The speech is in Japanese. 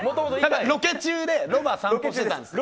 ロケ中で、ロバ散歩してたんです。